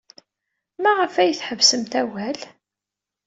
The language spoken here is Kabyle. Maɣef ay tḥebsemt awal?